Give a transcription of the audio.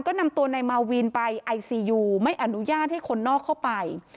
ก็นำตัวนายมาวินไปไอซียูไม่อนุญาตให้คนนอกเข้าไป